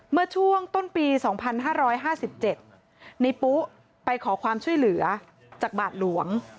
เมื่อช่วงต้นปี๒๕๕๗ในปุ๊ไปขอความช่วยเหลือจากบาทหลวง